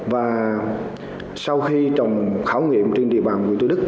và sau khi trồng khảo nghiệm trên địa bàn quyền tư đức